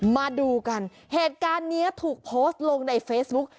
มาดูกันเหตุการณ์นี้ถูกโพสต์ลงในเฟซบุ๊ก